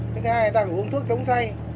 thứ hai là ta phải uống thuốc chống say